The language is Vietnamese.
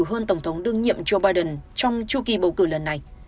hơn tổng thống đương nhiệm joe biden trong chu kỳ bầu cử lần này